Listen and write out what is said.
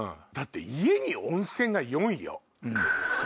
だって「家に温泉」が４位よ。